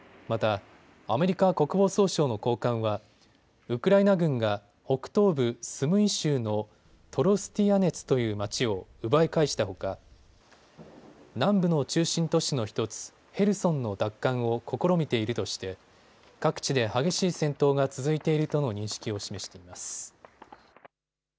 また、アメリカ国防総省の高官はウクライナ軍が北東部スムイ州のトロスティアネツという町を奪い返したほか南部の中心都市の１つ、ヘルソンの奪還を試みているとして各地で激しい戦闘が続いているとの認識を示しています。